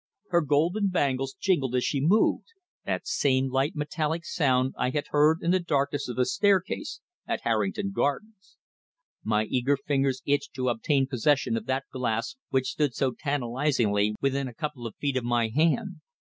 Her golden bangles jingled as she moved that same light metallic sound I had heard in the darkness of the staircase at Harrington Gardens. My eager fingers itched to obtain possession of that glass which stood so tantalisingly within a couple of feet of my hand.